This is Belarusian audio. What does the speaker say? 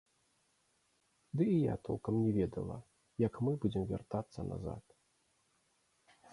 Ды і я толкам не ведала, як мы будзем вяртацца назад.